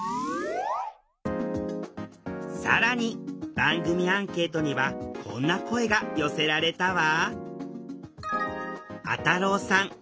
更に番組アンケートにはこんな声が寄せられたわ。